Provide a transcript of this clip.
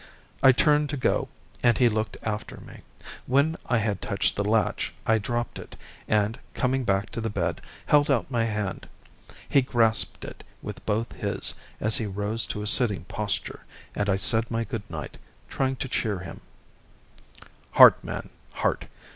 I turned to go, and he looked after me. When I had touched the latch I dropped it, and, coming back to the bed, held out my hand. He grasped it with both his as he rose to a sitting posture, and I said my goodnight, trying to cheer him: "Heart, man, heart!